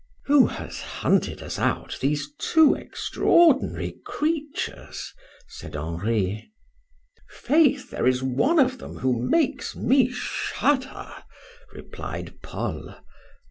"Who has hunted us out these two extraordinary creatures?" said Henri. "Faith! there is one of them who makes me shudder," replied Paul.